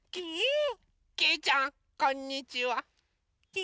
きいちゃんこんにちは。